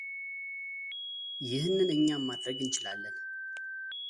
ይህንን እኛም ማድረግ እንችላለን::